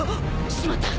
しまった！